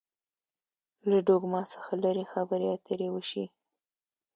له ډوګما څخه لري خبرې اترې وشي.